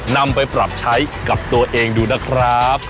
นำไปปรับใช้กับตัวเองดูนะครับ